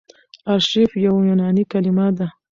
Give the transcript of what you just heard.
آرشیف يوه یوناني کليمه ده.